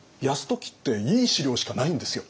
泰時っていい史料しかないんですよ。